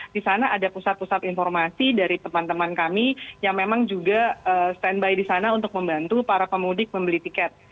di sana ada pusat pusat informasi dari teman teman kami yang memang juga standby di sana untuk membantu para pemudik membeli tiket